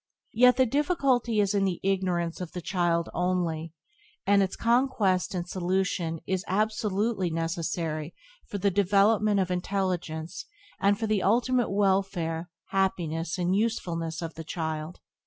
Yet the difficulty is in the ignorance of the child only, and its conquest and solution is absolutely necessary for the development of intelligence and for the ultimate welfare, happiness, and usefulness of the child.